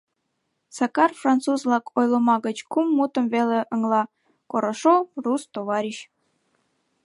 Сакар француз-влак ойлыма гыч кум мутым веле ыҥыла: корошо, рус, товарищ.